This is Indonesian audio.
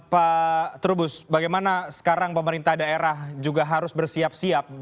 pak trubus bagaimana sekarang pemerintah daerah juga harus bersiap siap